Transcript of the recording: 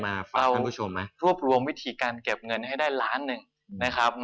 อาจจะไม่ได้ยากหน่อยนะครับ